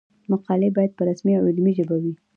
مقالې باید په رسمي او علمي ژبه وي.